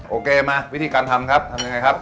โอเคมาวิธีการทำครับทำยังไงครับ